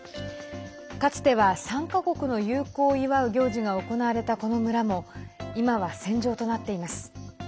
かつては３か国の友好を祝う行事が行われたこの村も今は戦場となっています。